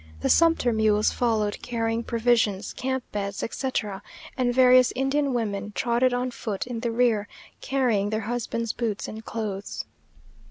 The sumpter mules followed, carrying provisions, camp beds, etc.; and various Indian women trotted on foot in the rear, carrying their husbands' boots and clothes.